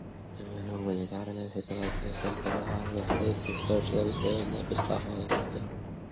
Гуманитарная ситуация в секторе Газа остается источником серьезной обеспокоенности.